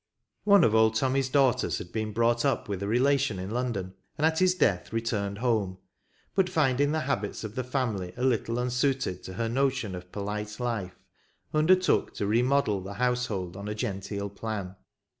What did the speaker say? One of old Tommy s daughters had been brought up with a relation in London, and at his death returned home ; but finding the habits of the family a little unsuited to her notion of polite life, undertook to remodel the household on a genteel plan.